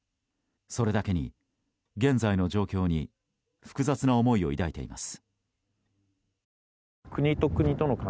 それだけに現在の状況に複雑な思いを抱いています。